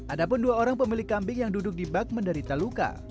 ada pun dua orang pemilik kambing yang duduk di bak menderita luka